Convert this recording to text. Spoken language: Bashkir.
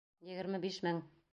Егерме биш мең!